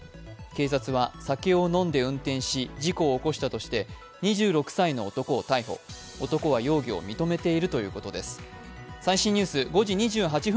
警察は酒を飲んで運転し、事故を起こしたとして２６歳の男を逮捕、男は容疑を認めているということです。